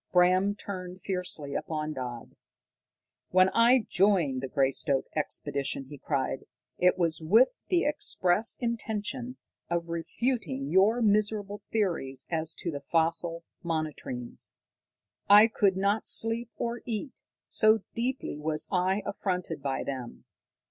Bram turned fiercely upon Dodd. "When I joined the Greystoke expedition," he cried, "it was with the express intention of refuting your miserable theories as to the fossil monotremes. I could not sleep or eat, so deeply was I affronted by them.